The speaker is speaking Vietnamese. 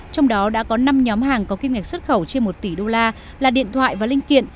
trong đó đã có năm nhóm hàng có kim ngạch xuất khẩu trên một tỷ đô la là điện thoại và linh kiện